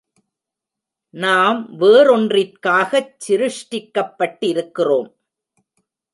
நாம் வேறொன்றிற்காகச் சிருஷ்டிக்கப்பட்டிருக்கிறோம்.